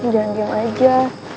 jangan diem aja